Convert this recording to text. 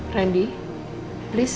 apa yang harus saya jelaskan ke bu rosa